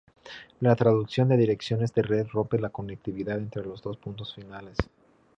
La traducción de direcciones de red rompe la conectividad entre los dos puntos finales.